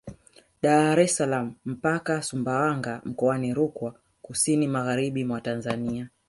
Dar es salaam mpaka Sumbawanga mkoani Rukwa kusini magharibi mwa Tanzania